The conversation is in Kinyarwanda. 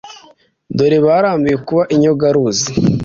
dore barambiwe kuba inyogaruzi